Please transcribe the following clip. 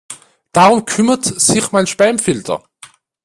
Darum kümmert sich mein Spamfilter.